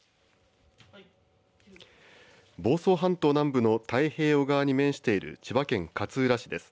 房総半島南部の太平洋側に面している千葉県勝浦市です。